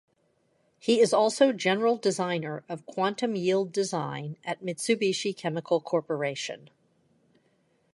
He is also general designer of quantum yield design at Mitsubishi Chemical Corporation.